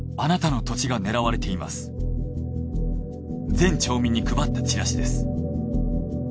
全町民に配ったチラシです。